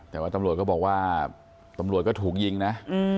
แต่ว่าตำรวจก็บอกว่าตำรวจก็ถูกยิงนะ